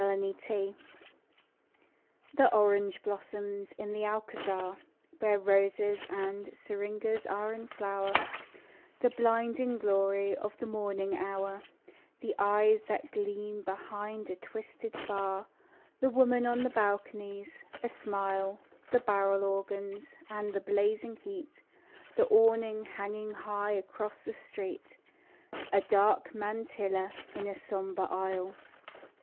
SEVILLE The orange blossoms in the Alcazar, Where roses and syringas are in flower; The blinding glory of the morning hour; The eyes that gleam behind a twisted bar; The women on the balconies, a smile; The barrel organs, and the blazing heat; The awning hanging high across the street; A dark mantilla in a sombre aisle.